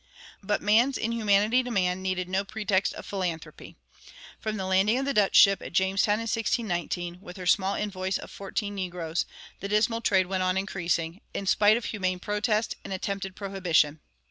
But "man's inhumanity to man" needed no pretext of philanthropy. From the landing of the Dutch ship at Jamestown in 1619, with her small invoice of fourteen negroes, the dismal trade went on increasing, in spite of humane protest and attempted prohibition.